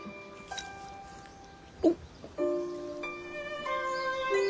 おっ！